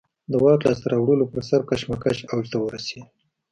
د واک لاسته راوړلو پر سر کشمکش اوج ته ورسېد